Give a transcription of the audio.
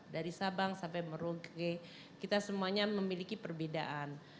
dari sabang sampai merauke kita semuanya memiliki perbedaan